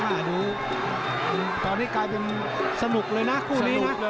มาดูตอนนี้กลายเป็นสนุกเลยนะคู่นี้นะ